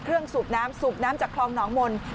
เครื่องสูบน้ำสูบน้ำจากคลองหนองมล